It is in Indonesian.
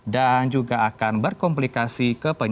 dan juga akan berkomplikasi keperluan